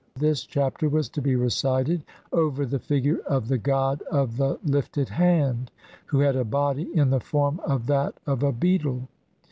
This Chapter was to be recited over the figure of the "god of the lifted hand", who had a body in the form of that of a beetle.